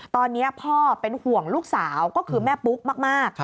ตอนนี้พ่อเป็นห่วงลูกสาวก็คือแม่ปุ๊กมาก